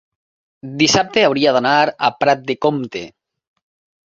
dissabte hauria d'anar a Prat de Comte.